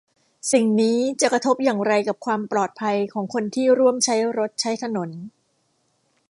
สิ่งนี้จะกระทบอย่างไรกับความปลอดภัยของคนที่ร่วมใช้รถใช้ถนน